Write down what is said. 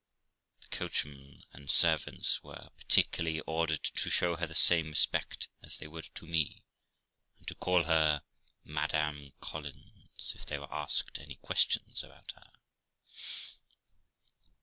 The coachman and servants were particularly ordered to show her the same respect as they would to me, and to call her Madam Collins, if they were asked any questions about her.